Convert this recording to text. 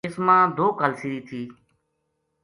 اس ما دو کالسری تھی